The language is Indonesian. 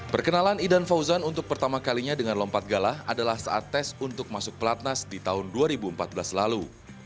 perkenalan idan fauzan untuk pertama kalinya dengan lompat galah adalah saat tes untuk masuk pelatnas di tahun dua ribu empat belas lalu